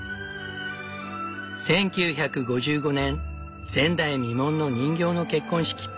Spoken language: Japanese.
１９５５年前代未聞の人形の結婚式。